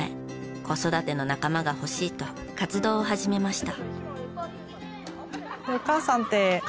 子育ての仲間が欲しいと活動を始めました。